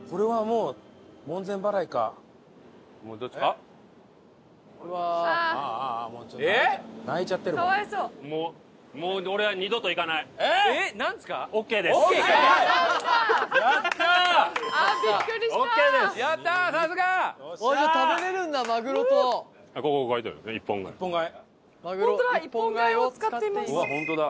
うわっホントだ。